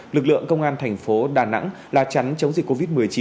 lực lượng công an thành phố đà nẵng là tránh chống dịch covid một mươi chín